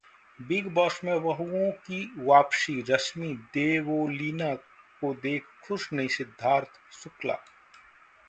big boss में 'बहुओं' की वापसी, रश्मि-देवोलीना को देख खुश नहीं सिद्धार्थ शुक्ला